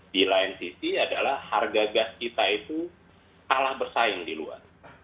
di lain sisi adalah harga gas kita itu kalah bersaing di luar